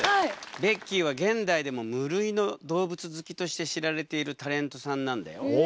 ベッキーは現代でも無類の動物好きとして知られているタレントさんなんだよ。へえ。